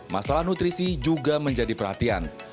masalah nutrisi juga menjadi perhatian